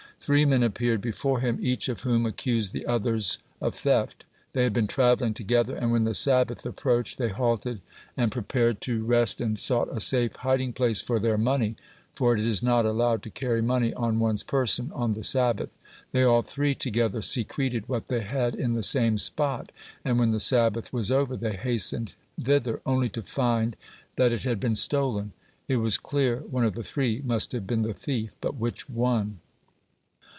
Three men appeared before him, each of whom accused the others of theft. They had been travelling together, and, when the Sabbath approached, they halted and prepared to rest and sought a safe hiding place for their money, for it is not allowed to carry money on one's person on the Sabbath. They all three together secreted what they had in the same spot, and, when the Sabbath was over, they hastened thither, only to find that it had been stolen. It was clear one of the three must have been the thief, but which one?